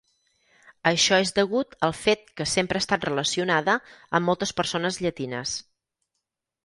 Això és degut al fet que sempre ha estat relacionada amb moltes persones llatines.